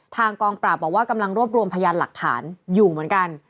กองปราบบอกว่ากำลังรวบรวมพยานหลักฐานอยู่เหมือนกัน